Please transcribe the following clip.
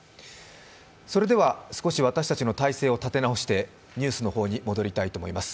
それでは私たちの体制を立て直してニュースの方に戻りたいと思います。